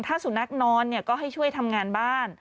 ถ้าสุนัขนอนก็ให้ช่วยทำงานบ้าน